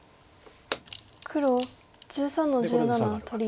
黒１３の十七取り。